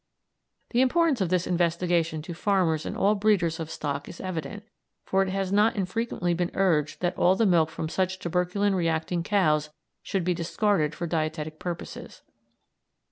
The importance of this investigation to farmers and all breeders of stock is evident, for it has not infrequently been urged that all the milk from such tuberculin reacting cows should be discarded for dietetic purposes.